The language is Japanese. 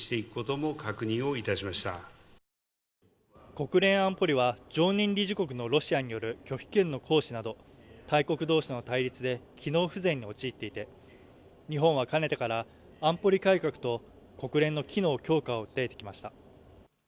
国連安保理は常任理事国のロシアによる拒否権の行使など大国同士の対立で機能不全に陥っていて、日本はかねてから、安保理改革と国連の機能強化を訴えてきました。